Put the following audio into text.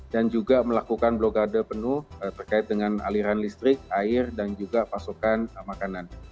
dan juga melakukan blokade penuh terkait dengan aliran listrik air dan juga pasukan makanan